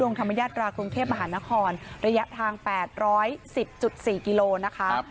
ธรรมญาตรากรุงเทพมหานครระยะทาง๘๑๐๔กิโลนะคะ